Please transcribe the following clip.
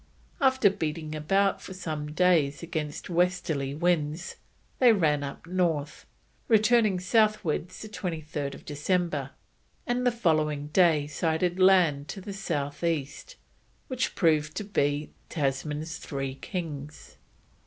After beating about for some days against westerly winds, they ran up north, returning southwards 23rd December, and the following day sighted land to the south east, which proved to be Tasman's Three Kings.